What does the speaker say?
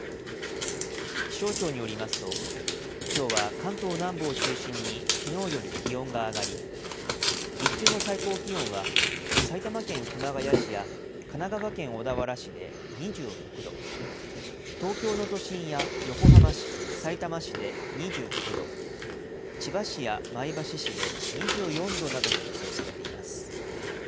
気象庁によりますと、きょうは関東南部を中心にきのうより気温が上がり、日中の最高気温は埼玉県熊谷市や神奈川県小田原市で２６度、東京の都心や横浜市、さいたま市で２５度、千葉市や前橋市で２４度などと予想されています。